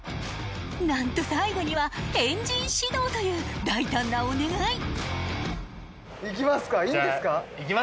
なんと最後にはエンジン始動という大胆なお願いいいんですか？